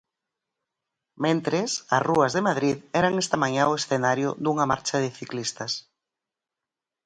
Mentres, as rúas de Madrid eran esta mañá o escenario dunha marcha de ciclistas.